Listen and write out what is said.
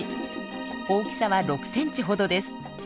大きさは６センチほどです。